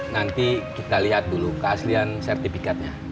nanti kita lihat dulu keaslian sertifikatnya